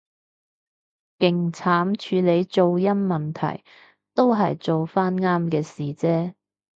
勁慘處理噪音問題，都係做返啱嘅事啫